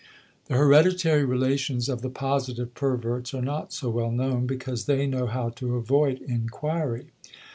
The hereditary relations of the positive perverts are not so well known because they know how to avoid inquiry.